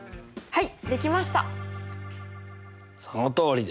はい。